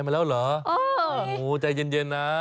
มีกลิ่นหอมกว่า